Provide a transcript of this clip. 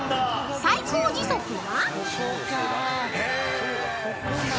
［最高時速は］